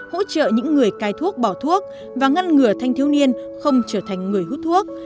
hỗ trợ những người cai thuốc bỏ thuốc và ngăn ngừa thanh thiếu niên không trở thành người hút thuốc